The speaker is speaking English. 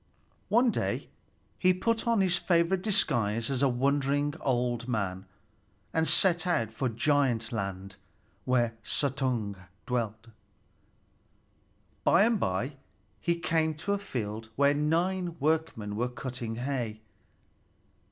One day he put on his favorite disguise as a wandering old man, and set out for Giant Land, where Suttung dwelt. By and by he came to a field where nine workmen were cutting hay.